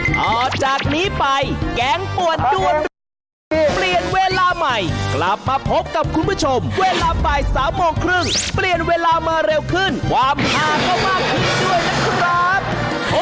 ต่อจากนี้ไปแกงป่วนด้วนรวยเปลี่ยนเวลาใหม่กลับมาพบกับคุณผู้ชมเวลาบ่าย๓โมงครึ่งเปลี่ยนเวลามาเร็วขึ้นความฮาเข้ามากขึ้นด้วยนะครับ